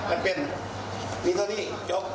อีนบันนี้๑๐โนง